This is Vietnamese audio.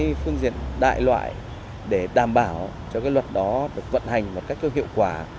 cái phương diện đại loại để đảm bảo cho cái luật đó được vận hành một cách có hiệu quả